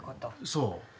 そう。